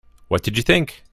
What did you think?